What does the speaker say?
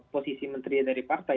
posisi menteri dari partai